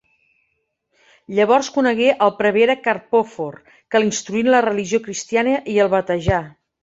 Llavors conegué el prevere Carpòfor, que l'instruí en la religió cristiana i el batejà.